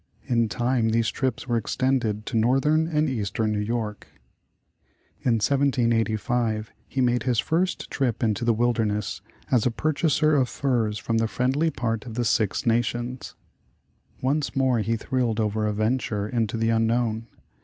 I:i time these trips were extended to Northern and East em New York. 59 The Original John Jacob Astor In 1785 he made his first trip into the wilderness, as a purchaser of furs from the friendly part of the Siic Nations. Once more he thrilled over a "venture" in< o the unknown.